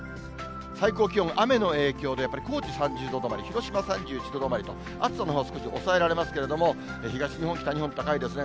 最高気温、雨の影響で、やっぱり高知３０度止まり、広島３１度止まりと、暑さのほう、少し抑えられますけれども、東日本、北日本、高いですね。